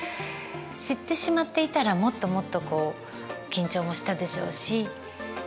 知ってしまっていたらもっともっとこう緊張もしたでしょうし。